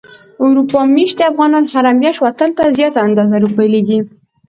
اروپا ميشتي افغانان هره مياشت وطن ته زياته اندازه روپی ليږي.